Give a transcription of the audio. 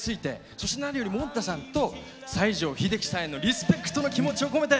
そして何よりもんたさんと西城秀樹さんへのリスペクトの気持ちを込めて